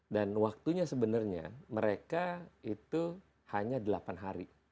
dan waktunya sebenarnya mereka itu hanya delapan hari